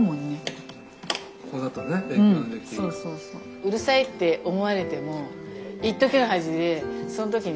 うるさいって思われてもいっときの恥でその時に。